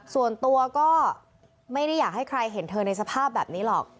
ส่วนตัวก็ไม่ได้อยากให้ใครเห็นเธอในสภาพแบบนี้หรอก